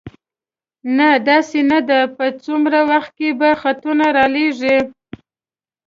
نه، داسې نه ده، په څومره وخت کې به خطونه را لېږې؟